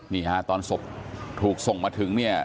นี่ฮะตอนศพถูกส่งมาถึงเนี่ย